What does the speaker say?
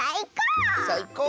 さいこう！